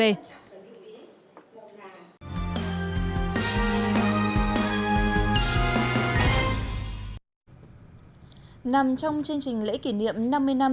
nằm trong chương trình lễ kỷ niệm năm mươi năm